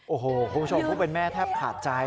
โอ้โหคุณผู้ชมผู้เป็นแม่แทบขาดใจ